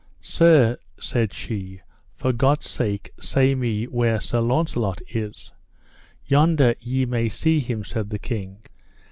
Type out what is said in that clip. Sir, said she, for God's sake say me where Sir Launcelot is. Yonder ye may see him, said the king.